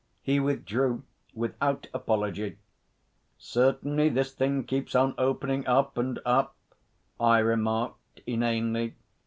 He withdrew without apology. 'Certainly, this thing keeps on opening up, and up,' I remarked inanely.